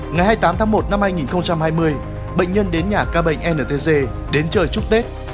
ngày hai mươi tám tháng một năm hai nghìn hai mươi bệnh nhân đến nhà ca bệnh ntg đến chơi chúc tết